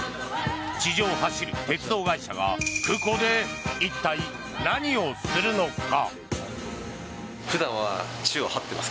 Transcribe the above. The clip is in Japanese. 地上を走る鉄道会社が空港で一体何をするのか。